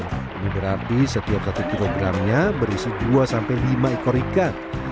ini berarti setiap satu kilogramnya berisi dua sampai lima ekor ikan